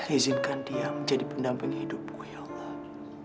izinkan dia menjadi pendamping hidupku ya allah